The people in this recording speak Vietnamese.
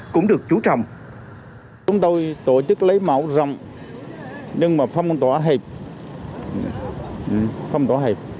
chúng tôi tổ chức lấy mẫu rồng nhưng mà phong tỏa hẹp